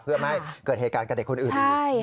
เพื่อไม่ให้เกิดเหตุการณ์กับเด็กคนอื่นอีก